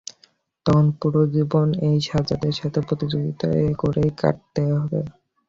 তখন পুরো জীবন এই সাজ্জাদের সাথে প্রতিযোগীতা করেই কাটাতে হবে।